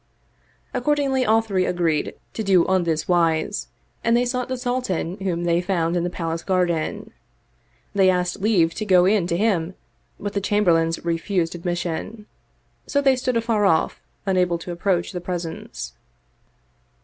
Accordingly all three agreed to do on this wise and they sought the Sultan whom they found in the palace garden. They asked leave to go in to him, but the Chamberlains refused admission : so they stood afar off unable to approach the presence.